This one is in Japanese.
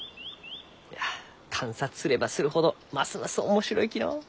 いや観察すればするほどますます面白いきのう。